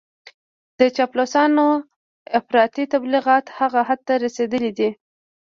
د چاپلوسانو افراطي تبليغات هغه حد ته رسېدلي دي.